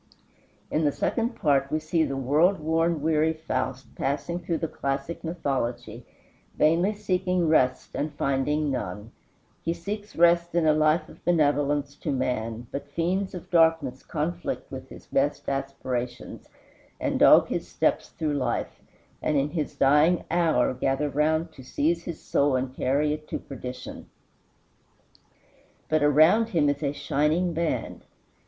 In the second part we see the world worn, weary Faust passing through the classic mythology, vainly seeking rest and finding none; he seeks rest in a life of benevolence to man, but fiends of darkness conflict with his best aspirations, and dog his steps through life, and in his dying hour gather round to seize his soul and carry it to perdition. But around him is a shining band.